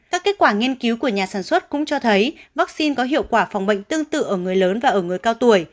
các kết quả nghiên cứu của nhà sản xuất cũng cho thấy vaccine có hiệu quả phòng bệnh tương tự ở người lớn và ở người cao tuổi